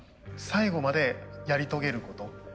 最後までやり遂げること。